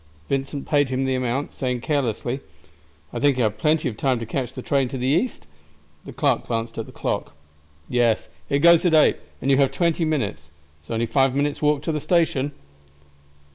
Vincent paid him the amount, saying carelessly, "I think I have plenty of time to catch the train for the east?" The clerk glanced at the clock. "Yes, it goes at 8, and you have twenty minutes. It's only five minutes' walk to the station."